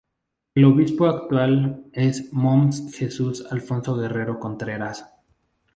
El obispo actual es Mons.Jesús Alfonso Guerrero Contreras.